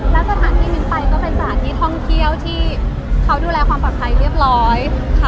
แล้วสถานที่มิ้นไปก็เป็นสถานที่ท่องเที่ยวที่เขาดูแลความปลอดภัยเรียบร้อยค่ะ